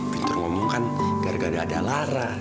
pinter ngomong kan gara gara ada lara